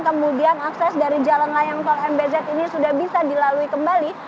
kemudian akses dari jalan layang tol mbz ini sudah bisa dilalui kembali